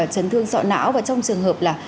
trấn thương sọ não và trong trường hợp là